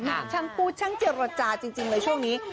มีช่างพูดช่างเจรจาจริงเลยช่วงนี้